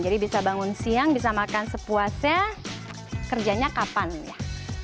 jadi bisa bangun siang bisa makan sepuasnya kerjanya kapan ya